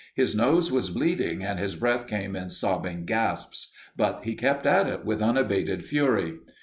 His nose was bleeding and his breath came in sobbing gasps, but he kept at it with unabated fury.